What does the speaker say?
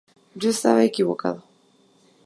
Yo estaba equivocado.